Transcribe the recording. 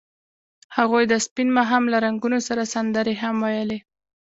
هغوی د سپین ماښام له رنګونو سره سندرې هم ویلې.